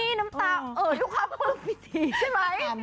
นี่น้ำตาเอ่อดูครับใช่ไหม